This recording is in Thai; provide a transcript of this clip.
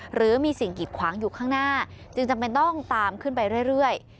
หรือมีสิ่งกิดขวางอยู่ข้างหน้าจึงจำเป็นต้องตามขึ้นไปเรื่อย